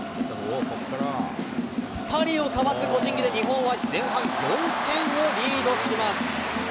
２人をかわす個人技で、日本は前半、４点をリードします。